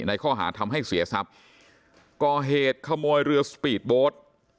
ในข้อหาทำให้เสียทรัพย์ก่อเหตุขโมยเรือสปีดโบ๊ท